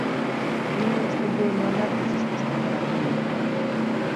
Ӱмылыштӧ вуемланат изиш куштылгырак лие.